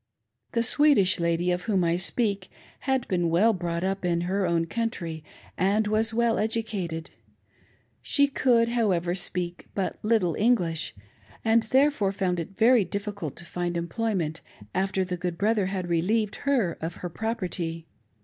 The Swedish lady, of whom I speak, had been well brought up in her own country and was well educated ; she could, how ever, speak but Uttle English, and therefore found it very diffi cult to find employment, after the good brother had relieved her of her property.